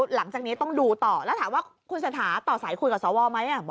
หลังจากนี้ต้องดูต่อแล้วถามว่าคุณเศรษฐาต่อสายคุยกับสวไหม